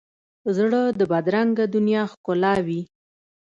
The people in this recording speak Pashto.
زړه د بدرنګه دنیا ښکلاوي.